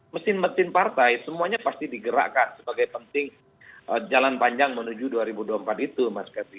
mesin mesin partai semuanya pasti digerakkan sebagai penting jalan panjang menuju dua ribu dua puluh empat itu mas kevi